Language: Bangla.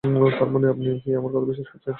তার মানে আপনি কি আমার কথা বিশ্বাস করছেন?